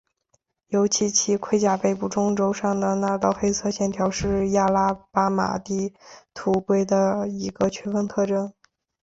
尤其其盔甲背部中轴上的那道黑色线条是亚拉巴马地图龟的一个区分特征。